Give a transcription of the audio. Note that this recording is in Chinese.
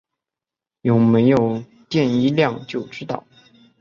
有没有电一量就知道